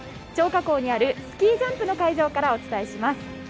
張家口にあるスキージャンプの会場からお伝えします。